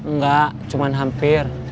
nggak cuma hampir